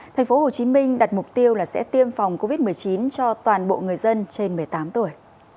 tp hcm đặt mục tiêu là sẽ tiêm phòng covid một mươi chín cho toàn bộ người dân trên một mươi tám tuổi